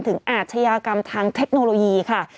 อาชญากรรมทางเทคโนโลยีค่ะ